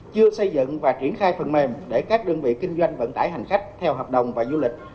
chưa xây dựng và triển khai phần mềm để các đơn vị kinh doanh vận tải hành khách theo hợp đồng và du lịch